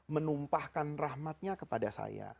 menumpahkan rahmatnya kepada saya